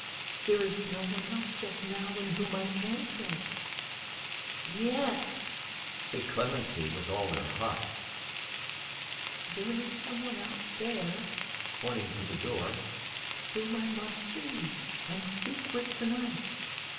There is no one else just now, in whom I can trust.' 'Yes,' said Clemency, with all her heart. 'There is some one out there,' pointing to the door, 'whom I must see, and speak with, to night.